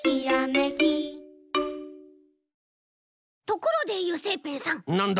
ところで油性ペンさん。